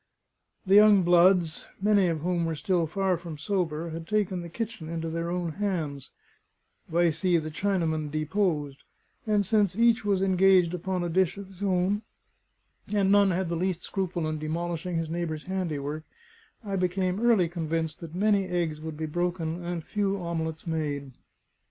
The young bloods, many of whom were still far from sober, had taken the kitchen into their own hands, vice the Chinaman deposed; and since each was engaged upon a dish of his own, and none had the least scruple in demolishing his neighbour's handiwork, I became early convinced that many eggs would be broken and few omelets made.